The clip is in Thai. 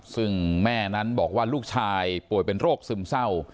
ซึ่งแม่นั้นบอกว่าลูกชายป่วยเป็นโรคซึมเศร้า